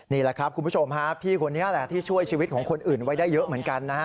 นี่แหละครับคุณผู้ชมฮะพี่คนนี้แหละที่ช่วยชีวิตของคนอื่นไว้ได้เยอะเหมือนกันนะฮะ